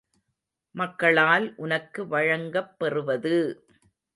மக்களால் உனக்கு வழங்கப் பெறுவது!